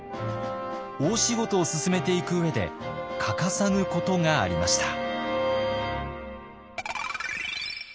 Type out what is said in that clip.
大仕事を進めていく上で欠かさぬことがありました。